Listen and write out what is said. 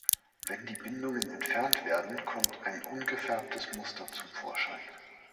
Wenn die Bindungen entfernt werden, kommt ein ungefärbtes Muster zum Vorschein.